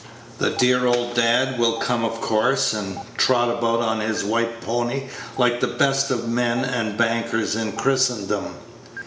The dear old dad will come of course, and trot about on his white pony like the best of men and bankers in Christendom.